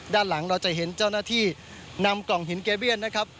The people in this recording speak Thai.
ด้านหลังเราจะเห็นเจ้าหน้าที่นำกล่องหินเกเบี้ยนนะครับ